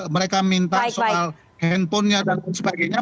mereka minta soal handphonenya dan sebagainya